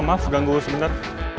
maaf ganggu sebentar